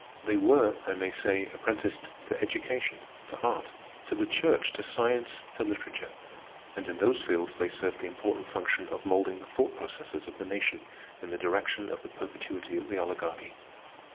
They were, I may say, apprenticed to education, to art, to the church, to science, to literature; and in those fields they served the important function of moulding the thought processes of the nation in the direction of the perpetuity of the Oligarchy.